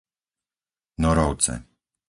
Norovce